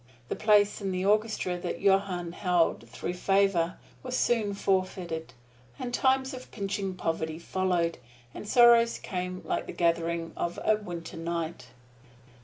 The place in the orchestra that Johann held through favor was soon forfeited, and times of pinching poverty followed, and sorrows came like the gathering of a winter night.